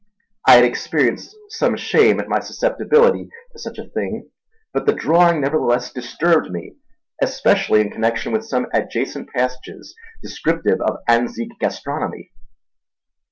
I experienced some shame at my susceptibility to so slight a thing, but the drawing nevertheless disturbed me, especially in connexion with some adjacent passages descriptive of Anzique gastronomy.